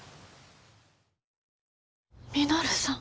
稔さん。